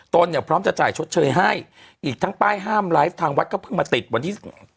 เนี่ยพร้อมจะจ่ายชดเชยให้อีกทั้งป้ายห้ามไลฟ์ทางวัดก็เพิ่งมาติดวันที่